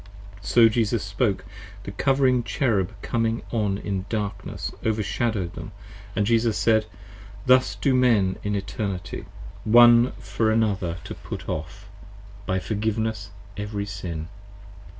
So Jesus spoke: the Covering Cherub coming on in darkness Overshadow'd them & Jesus said. Thus do Men in Eternity, One for another to put off, by forgiveness, every sin.